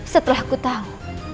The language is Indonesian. setelah aku tahu